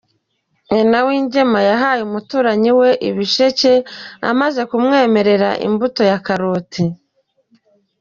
Nyinawingema yahaye umuturanyi we ibisheke amaze kumwemera imbuto ya karoti.